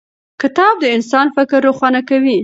کتاب د انسان فکر روښانه کوي.